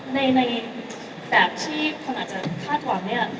ในแบบที่คนอาจจะคาดหวังเนี่ย